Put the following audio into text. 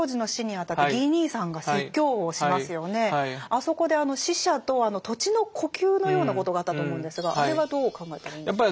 あそこで死者と土地の呼吸のようなことがあったと思うんですがあれはどう考えたらいいんでしょうか？